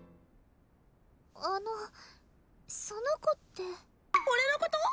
あのその子って俺のこと？